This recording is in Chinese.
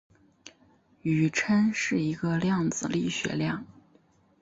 宇称是一个量子力学量。